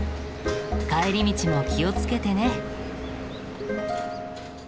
帰り道も気を付けてね。